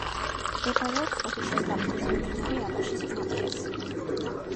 მდებარეობს ოდიშის დაბლობზე, მდინარე აბაშის ნაპირას.